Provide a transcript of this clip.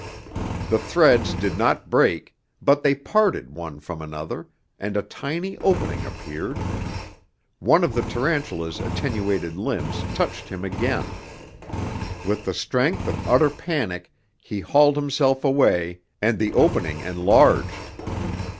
The threads did not break, but they parted one from another, and a tiny opening appeared. One of the tarantula's attenuated limbs touched him again. With the strength of utter panic he hauled himself away, and the opening enlarged.